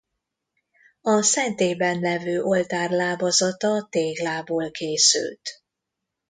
A szentélyben levő oltár lábazata téglából készült.